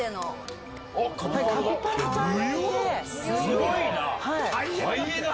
すごいな！